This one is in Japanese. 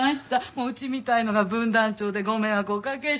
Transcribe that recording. うちみたいのが分団長でご迷惑をおかけします。